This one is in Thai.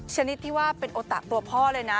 ชนิดที่ว่าเป็นโอตะตัวพ่อเลยนะ